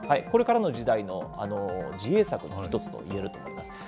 これからの時代の自衛策の一つといえると思います。